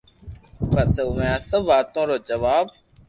پسو اووي آ سب واتون رو جواب